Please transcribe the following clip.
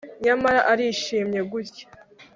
nyamara arishimye gutya